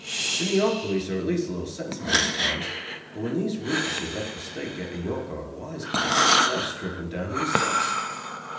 The New York police are at least a little sensible at times, but when these Rufus's up the State get a Yorker or a wise guy, they'll strip him down to his socks.